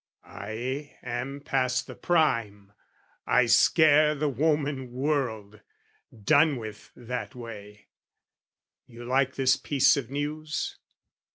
I am past the prime, I scare the woman world, Done with that way: you like this piece of news?